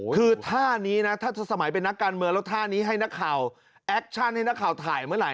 คือท่านี้นะถ้าสมัยเป็นนักการเมืองแล้วท่านี้ให้นักข่าวแอคชั่นให้นักข่าวถ่ายเมื่อไห